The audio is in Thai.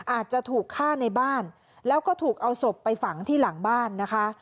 อาจจะถูกฆ่าในบ้านแล้วก็ถูกเอาศพไปฝังที่หลังบ้านนะคะ